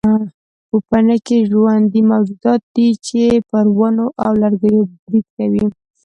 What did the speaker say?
پوپنکي ژوندي موجودات دي چې پر ونو او لرګیو برید کوي.